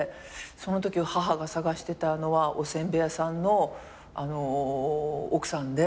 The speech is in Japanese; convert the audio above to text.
そのとき母が探してたのはお煎餅屋さんの奥さんで。